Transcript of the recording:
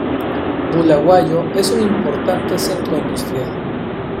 Bulawayo es un importante centro industrial.